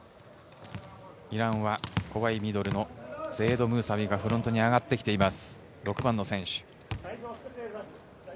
イランは怖いミドルのセイエド・ムーサビがフロントに上がってきています。